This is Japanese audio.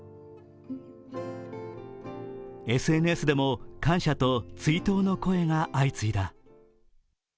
ＳＮＳでも感謝と追悼の声が相次いだ。